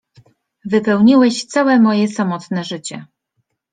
Wypełniłeś całe moje samotne życie!